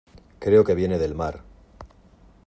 creo que viene del mar.